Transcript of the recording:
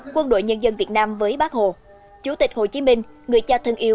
quân đội nhân dân việt nam với bác hồ chủ tịch hồ chí minh người cha thân yêu